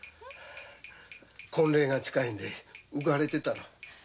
婚礼が近いんで浮かれてたろう。